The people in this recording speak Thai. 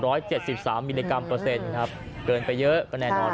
เจ็ดสิบสามมิลลิกรัมเปอร์เซ็นต์ครับเกินไปเยอะก็แน่นอน